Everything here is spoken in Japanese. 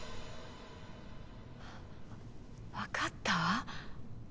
わかったわ。